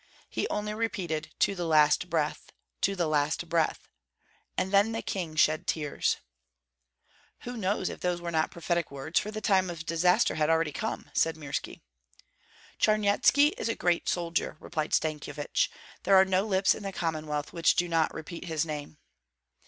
He only repeated: 'To the last breath! to the last breath!' And then the king shed tears " "Who knows if those were not prophetic words, for the time of disaster had already come," said Mirski. "Charnyetski is a great soldier," replied Stankyevich. "There are no lips in the Commonwealth which do not repeat his name."